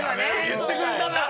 言ってくれたな！